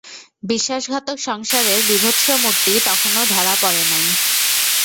বিশ্বাসঘাতক সংসারের বীভৎসমূর্তি তখনো ধরা পড়ে নাই।